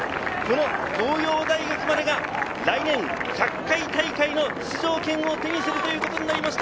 東洋大学までが来年１００回大会の出場権を手にすることになりました。